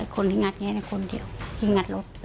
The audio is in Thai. คนที่งัดแงะคนเดียวที่งัดรถ